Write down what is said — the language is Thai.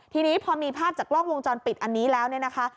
ทีนี้พอมีภาพจากกล้องวงจรปิดอันนี้แล้วเนี่ยนะคะ